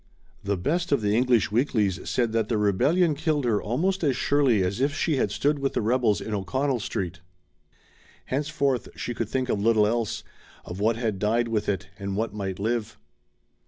The best of the English weeklies said that ^Hhe rebellion killed her almost as surely as if she had stood with the rebels in O'Connell Street. Hence forth she could think of little else; of what had died with it and what might live."